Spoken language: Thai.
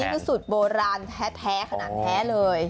อันนี้เป็นสูตรโบราณแท้ขนาดแท้เลย